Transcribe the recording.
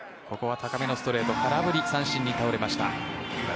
高めのストレートで空振り三振に倒れました。